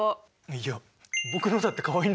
いや僕のだってかわいいんだけどね。